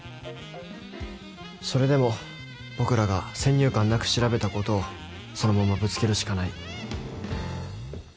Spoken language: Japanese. それでも僕らが先入観なく調べたことをそのままぶつけるしかない。